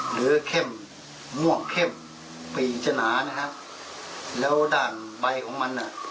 เหลือเข้มม่วงเข้มปีจะหนานะครับแล้วด้านใบของมันอ่ะ